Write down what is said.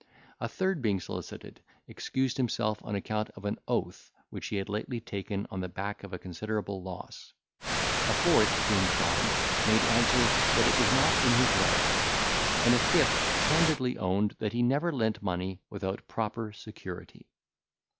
A third being solicited, excused himself on account of an oath which he had lately taken on the back of a considerable loss. A fourth being tried, made answer, that it was not in his way. And a fifth candidly owned, that he never lent money without proper security.